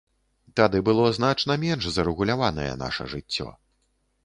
Тады было значна менш зарэгуляванае наша жыццё.